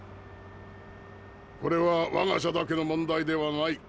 これはわが社だけの問題ではない。